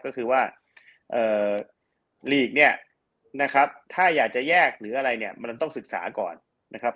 ก็คือว่าลีกเนี่ยนะครับถ้าอยากจะแยกหรืออะไรเนี่ยมันต้องศึกษาก่อนนะครับ